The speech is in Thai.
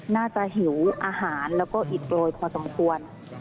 น่าจะหิวอาหารแล้วก็อิดบรอยพอสมควร